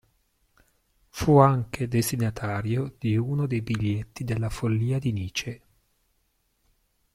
Fu anche destinatario di uno dei biglietti della follia di Nietzsche.